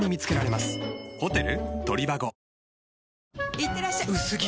いってらっしゃ薄着！